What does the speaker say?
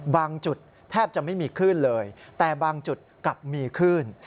บางจุดแทบจะไม่มีคลื่นเลยแต่บางจุดกลับมีคลื่น